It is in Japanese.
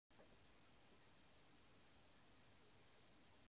もう恋なんてしないなんて、言わないよ絶対